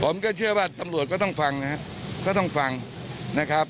ผมก็เชื่อว่าตำรวจก็ต้องฟังนะครับ